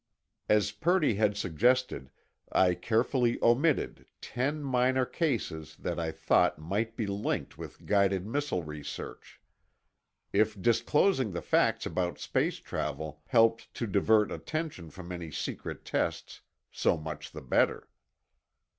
As Purdy had suggested, I carefully omitted ten minor cases that I thought might be linked with guided missile research. If disclosing the facts about space travel helped to divert attention from any secret tests, so much the better.